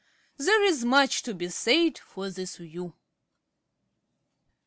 There is much to be said for this view.